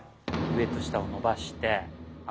上と下を伸ばして。